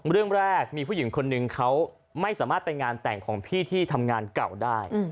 เรื่องแรกมีผู้หญิงคนนึงเขาไม่สามารถไปงานแต่งของพี่ที่ทำงานเก่าได้